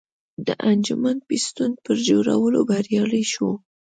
د انجن پېسټون پر جوړولو بریالی شو.